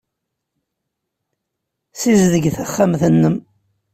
Ssizdeg taxxamt-nnem.